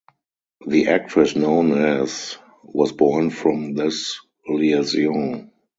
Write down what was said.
The actress known as was born from this liaison.